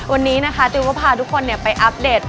วันนี้นะคะติวว่าพาทุกคนเนี่ยไปอัปเดตนะครับ